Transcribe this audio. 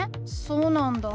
そうなんだ。